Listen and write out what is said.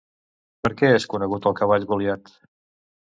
Per què és conegut el cavall Goliat?